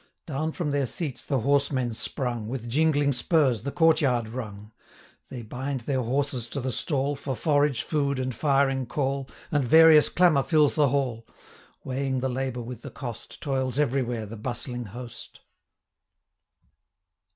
35 Down from their seats the horsemen sprung, With jingling spurs the court yard rung; They bind their horses to the stall, For forage, food, and firing call, And various clamour fills the hall: 40 Weighing the labour with the cost, Toils everywhere the bustling host.